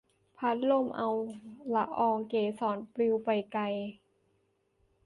ลมพัดเอาละอองเกสรปลิวไปไกล